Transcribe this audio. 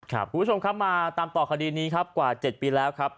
คุณผู้ชมครับมาตามต่อคดีนี้ครับกว่า๗ปีแล้วครับ